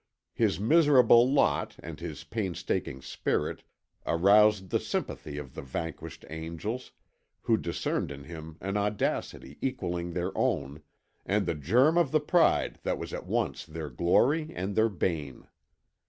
His miserable lot and his painstaking spirit aroused the sympathy of the vanquished angels, who discerned in him an audacity equalling their own, and the germ of the pride that was at once their glory and their bane.